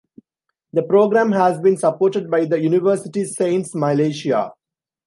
The program has been supported by the Universiti Sains Malaysia.